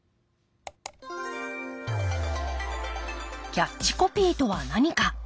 キャッチコピーとは何か？